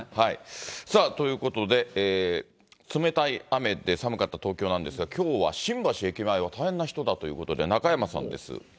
さあ、ということで、冷たい雨で寒かった東京なんですが、きょうは新橋駅前は大変な人だということで、中山さんです。